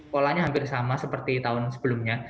polanya hampir sama seperti tahun sebelumnya